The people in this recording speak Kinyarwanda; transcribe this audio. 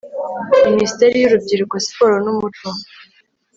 minisiteri y urubyiruko siporo n umuco